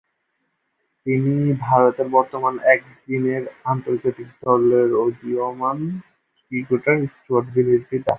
তিনি ভারতের বর্তমান একদিনের আন্তর্জাতিক দলের উদীয়মান ক্রিকেটার স্টুয়ার্ট বিনি’র পিতা।